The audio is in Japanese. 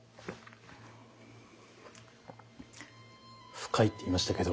深いって言いましたけど。